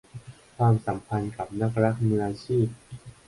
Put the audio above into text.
ความสัมพันธ์กับนักรักมืออาชีพ